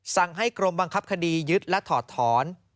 สั่งให้กรมบังคับคดียึดและถอดถอน